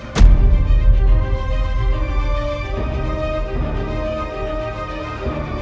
dikubur pun abang akan bangkit dari kubur